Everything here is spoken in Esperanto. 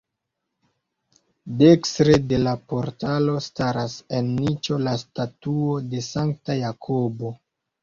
Dekstre de la portalo staras en niĉo la statuo de Sankta Jakobo.